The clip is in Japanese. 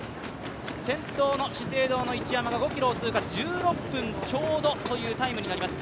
先頭の資生堂の一山が５ｋｍを通過、１６分ちょうどというタイムになります。